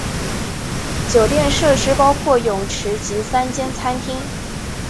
酒店设施包括泳池及三间餐厅。